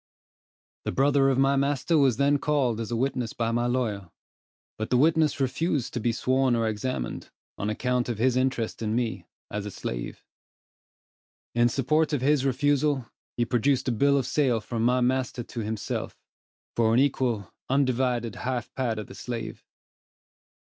The brother of my master was then called as a witness by my lawyer, but the witness refused to be sworn or examined, on account of his interest in me, as his slave. In support of his refusal, he produced a bill of sale from my master to himself, for an equal, undivided half part of the slave